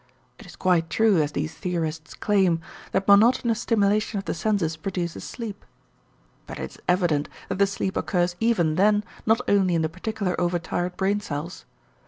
It is quite true, as these theorists claim, that monotonous stimulation of the senses produces sleep. But it is evident that the sleep occurs even then not only in the particular overtired brain cells.